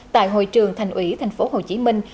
tại hội trường thành ủy thành phố hồ chí minh